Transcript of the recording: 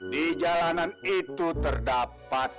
di jalanan itu terdapat